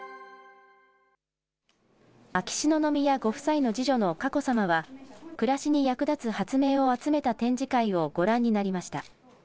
秋篠宮ご夫妻の次女の佳子さまは、暮らしに役立つ発明を集めた展示会をご覧になりました。